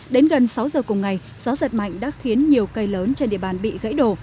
đến gần sáu giờ cùng ngày gió giật mạnh đã khiến nhiều cây lớn trên địa bàn bị gãy đổ